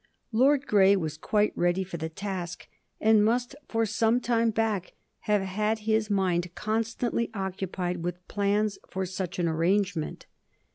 Lord Grey was quite ready for the task, and must, for some time back, have had his mind constantly occupied with plans for such an arrangement.